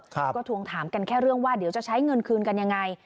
ก็ทวงถามกันแค่เรื่องว่าเดี๋ยวจะใช้เงินคืนกันยังไง